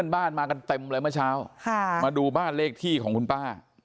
บ้านมากันเต็มเลยเมื่อเช้ามาดูบ้านเลขที่ของคุณป้า